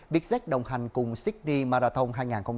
biết xét đồng hành cùng sydney marathon hai nghìn hai mươi ba